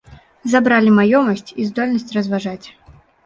Забралі маёмасць і здольнасць разважаць.